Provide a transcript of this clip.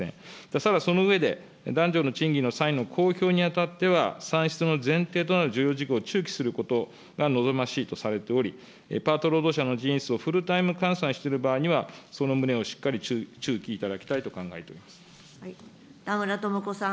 ただその上で男女の賃金の差異の公表にあたっては、算出の前提となる重要事項を注記することが望ましいとされており、パート労働者の人員数をフルタイム換算している場合には、その旨をしっかり田村智子さん。